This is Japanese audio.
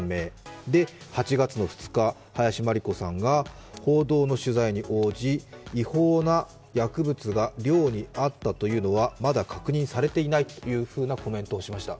そして、８月の２日、林真理子さんが報道の取材に応じ違法な薬物が寮にあったというのはまだ確認されていないというふうなコメントをしました。